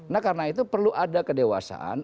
nah karena itu perlu ada kedewasaan